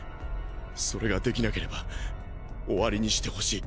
それができなければ終わりにしてほしい。